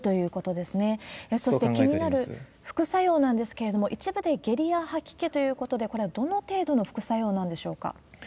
そして気になる副作用なんですけれども、一部で下痢や吐き気ということで、これはどの程度の副作用なんでしょうか？